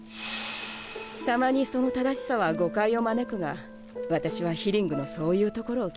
たまにその正しさは誤解を招くが私はヒリングのそういうところを気に入っている。